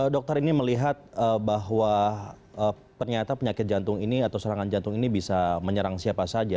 dokter ini melihat bahwa ternyata penyakit jantung ini atau serangan jantung ini bisa menyerang siapa saja